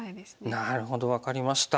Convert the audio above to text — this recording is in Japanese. なるほど分かりました。